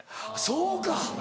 そうか。